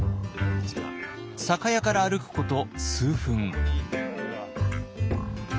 酒屋から歩くこと数分。